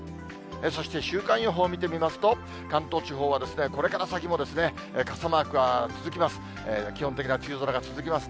そして週間予報を見てみますと、関東地方はこれから先も傘マークが続きます。